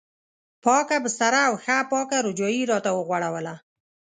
پاکه بستره او ښه پاکه رجایي یې راته وغوړوله.